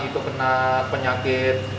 itu kena penyakit